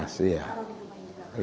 taruh di rumah ini